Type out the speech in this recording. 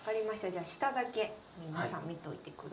じゃあ下だけ皆さん見といてください。